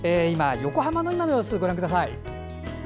横浜の今の様子、ご覧ください。